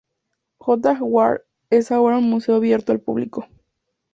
J Ward es ahora un museo abierto al público.